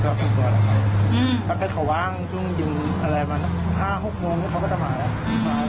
แล้วก็เขาก็จะตามไปอ่ะ